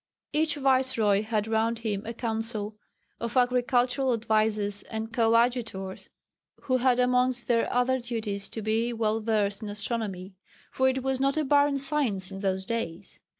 Each viceroy had round him a council of agricultural advisers and coadjutors, who had amongst their other duties to be well versed in astronomy, for it was not a barren science in those days.